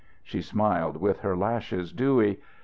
She smiled with her lashes dewy.